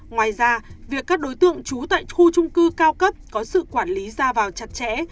ngoài ra việc các đối tượng trú tại khu trung cư cao cấp có sự quản lý ra vào chặt chẽ